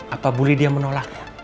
apa ibu lydia menolaknya